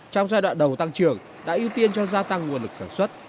trong giai đoạn đầu tăng trưởng đã ưu tiên cho gia tăng nguồn lực sản xuất